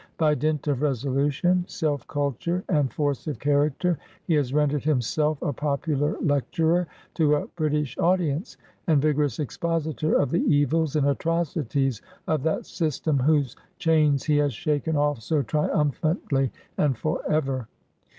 By dint of resolution, self cul ture and force of character, he has rendered himself a popular lecturer to a British audience, and vigorous expositor of the evils and atrocities of that system whose chains he has shaken off so triumphantly and for ever.